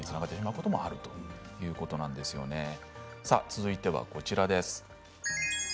続いては、こちらです。